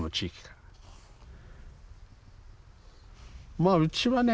まあうちはね